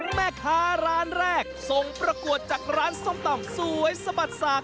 แม่ค้าร้านแรกส่งประกวดจากร้านส้มตำสวยสะบัดสาก